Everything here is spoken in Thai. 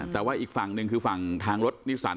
แต่ว่าอีกฝั่งหนึ่งคือฝั่งทางรถนิสัน